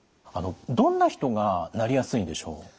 どんな人がなりやすいんでしょう？